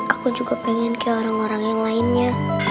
aku juga pengen ke orang orang yang lainnya